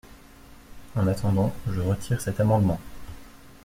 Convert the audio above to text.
En attendant, je retire cet amendement.